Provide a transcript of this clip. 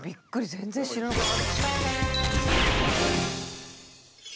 全然知らなかった。